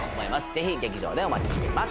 ぜひ劇場でお待ちしています